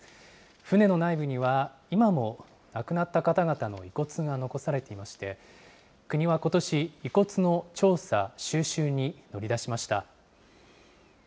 船の内部には今も亡くなった方々の遺骨が残されていまして、国はことし、遺骨の調査・収集に乗り出しました。